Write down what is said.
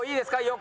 横。